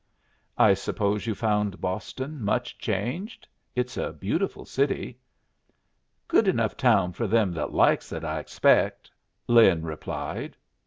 "I suppose you found Boston much changed? It's a beautiful city." "Good enough town for them that likes it, I expect," Lin replied.